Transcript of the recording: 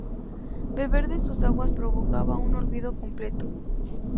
Beber de sus aguas provocaba un olvido completo.